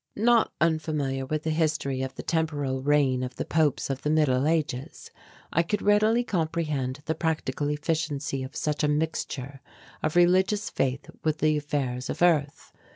Not unfamiliar with the history of the temporal reign of the Popes of the middle ages, I could readily comprehend the practical efficiency of such a mixture of religious faith with the affairs of earth.